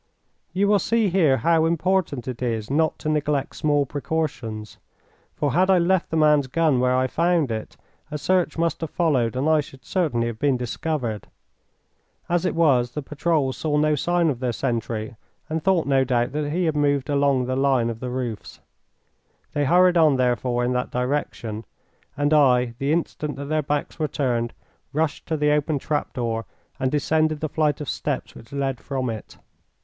You will see here how important it is not to neglect small precautions, for had I left the man's gun where I found it, a search must have followed and I should certainly have been discovered. As it was, the patrol saw no sign of their sentry, and thought, no doubt, that he had moved along the line of the roofs. They hurried on, therefore, in that direction, and I, the instant that their backs were turned, rushed to the open trap door and descended the flight of steps which led from it.